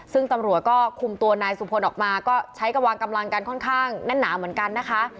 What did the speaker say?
ซึ่งตำรวจก็คุมตัวนายสุพลออกมาก็ใช้กำลังกันค่อนข้างแน่นหนาเหมือนกันนะคะ